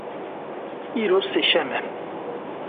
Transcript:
Îro sêşem e.